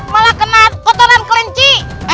malah kena kotoran kelinci